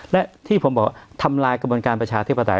และที่ผมบอกทำลายกระบวนการประชาธิปไตย